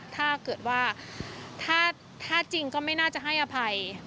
ถ้าเกิดว่าถ้าจริงก็ไม่น่าจะให้อภัย